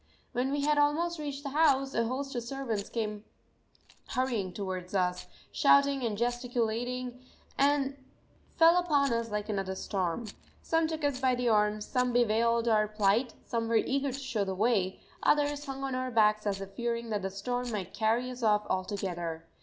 When we had almost reached the house, a host of servants came hurrying towards us, shouting and gesticulating, and fell upon us like another storm. Some took us by the arms, some bewailed our plight, some were eager to show the way, others hung on our backs as if fearing that the storm might carry us off altogether.